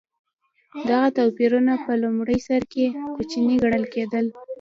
دغه توپیرونه په لومړي سر کې کوچني ګڼل کېدل.